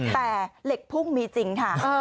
แต่เหล็กพุ่งมีจริงค่ะ